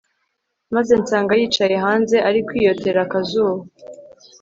maze nsanga yicaye hanze ari kwiyotera akazuba